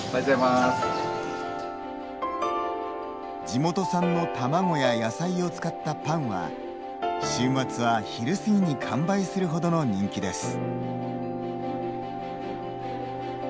地元産の卵や野菜を使ったパンは週末は昼過ぎに完売するほどの人気です。